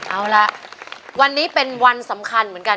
เอาละวันนี้เป็นวันสำคัญเหมือนกัน